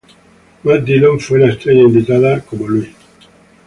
Matt Dillon fue la estrella invitada, como Louie.